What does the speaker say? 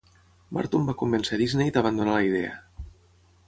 Burton va convèncer a Disney d'abandonar la idea.